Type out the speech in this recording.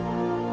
saya tidak tahu